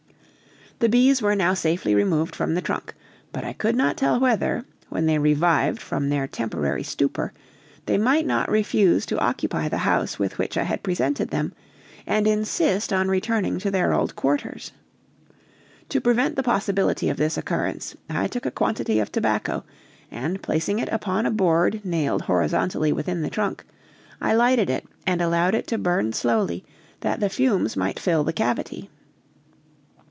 The bees were now safely removed from the trunk, but I could not tell whether, when they revived from their temporary stupor, they might not refuse to occupy the house with which I had presented them, and insist on returning to their old quarters. To prevent the possibility of this occurrence, I took a quantity of tobacco, and placing it upon a board nailed horizontally within the trunk, I lighted it and allowed it to burn slowly, that the fumes might fill the cavity.